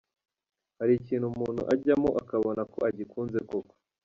Hari ikintu umuntu ajyamo ukabona ko agikunze koko.